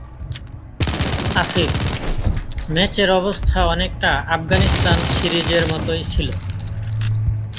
আফিফ: ম্যাচের অবস্থা অনেকটা আফগানিস্তান সিরিজের মতোই ছিল।